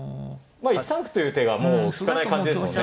１三歩という手がもう利かない感じですもんね。